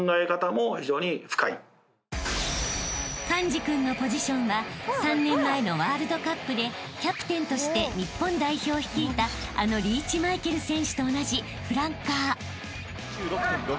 ［寛治君のポジションは３年前のワールドカップでキャプテンとして日本代表を率いたあのリーチマイケル選手と同じフランカー］